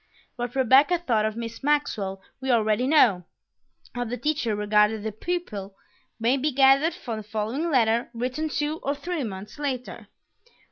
What Rebecca thought of Miss Maxwell we already know; how the teacher regarded the pupil may be gathered from the following letter written two or three months later.